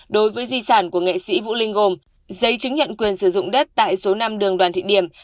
đối với di sản của nghệ sĩ vũ linh gồm giấy chứng nhận quyền sử dụng đất tại số năm đường đoàn thị điểm